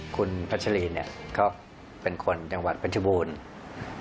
คุณพัชรีเนี่ยก็เป็นคนจังหวัดเพชรบูรณ์